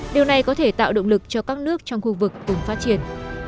điều này có thể tạo động lực cho các nước trong khu vực cùng phát triển